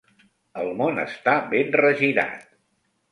El món està ben regirat.